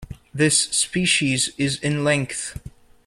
This species is in length.